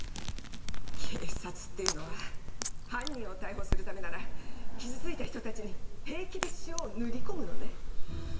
警察っていうのは犯人を逮捕するためなら傷ついた人たちに平気で塩を塗り込むのね。